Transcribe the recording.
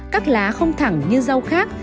các lá không thẳng như rau khác